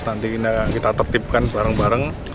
nanti kita tertipkan sekarang bareng bareng